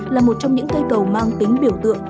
là một trong những cây cầu mang tính biểu tượng